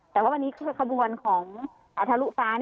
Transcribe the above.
แต่ว่าวันนี้คือขบวนของทะลุฟ้า